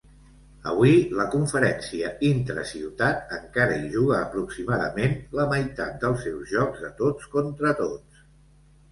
Avui, la conferència intra-ciutat encara hi juga aproximadament la meitat dels seus jocs de tots contra tots.